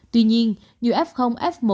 tuy nhiên nhiều f f một